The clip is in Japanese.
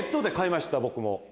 僕も。